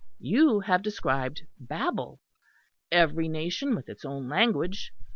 You have described Babel, every nation with its own language.